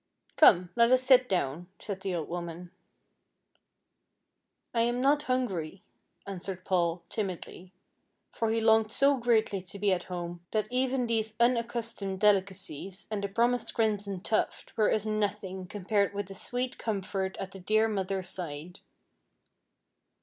"Come, let us sit down," said the old woman. "I am not hungry," answered Paul, timidly; for he longed so greatly to be at home, that even these unaccustomed delicacies, and the promised crimson tuft, were as nothing compared with the sweet comfort at the dear mother's side.